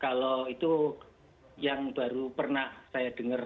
kalau itu yang baru pernah saya dengar